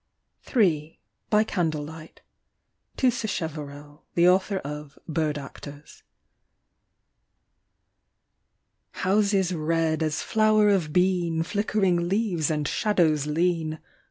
82 EDITH SJTWELL. III. BY CANDLELIGHT. To Sacheverell, tJie Author of " Bird Actors." 1 HOUSES red as flower of bean, Flickering leaves and shadows lean